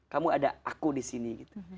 kamu ada aku disini gitu